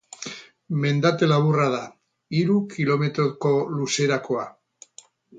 Mendate laburra da, hiru kilometroko luzerakoa.